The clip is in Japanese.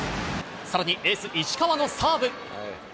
さらにエース、石川のサーブ。